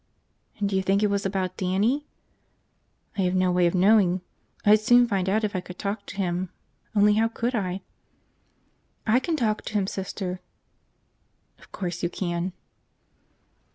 "And you think it was about Dannie?" "I have no way of knowing. I'd soon find out if I could talk to him. Only how could I?" "I can talk to him, Sister." "Of course you can."